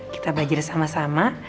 kita belajar sama sama